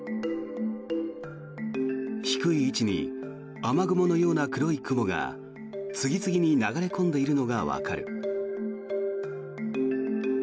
低い位置に雨雲のような黒い雲が次々に流れ込んでいるのがわかる。